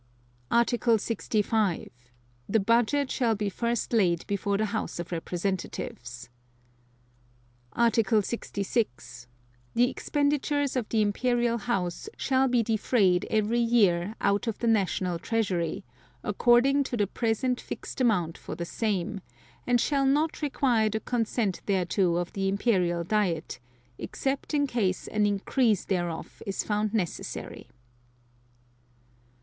Article 65. The Budget shall be first laid before the House of Representatives. Article 66. The expenditures of the Imperial House shall be defrayed every year out of the National Treasury, according to the present fixed amount for the same, and shall not require the consent thereto of the Imperial Diet, except in case an increase thereof is found necessary.